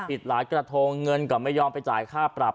อีกหลายกระทงเงินก็ไม่ยอมไปจ่ายค่าปรับ